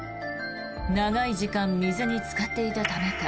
長い時間水につかっていたためか